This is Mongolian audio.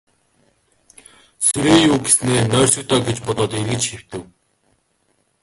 Сэрээе юү гэснээ нойрсог доо гэж бодоод эргэж хэвтэв.